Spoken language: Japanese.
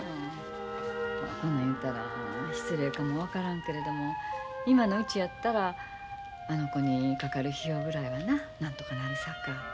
こんなん言うたら失礼かも分からんけれども今のうちやったらあの子にかかる費用ぐらいはななんとかなるさか。